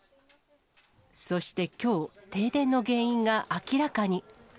そしてきょう、停電の原因が明らかに。